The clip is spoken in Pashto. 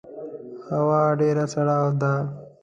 هوا ډیره سړه ده